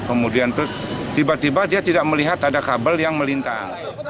kemudian terus tiba tiba dia tidak melihat ada kabel yang melintang